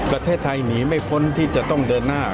ประเทศไทยหนีไม่พ้นที่จะต้องเดินหน้า